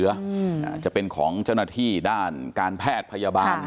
อาจจะเป็นของเจ้าหน้าที่ด้านการแพทย์พยาบาล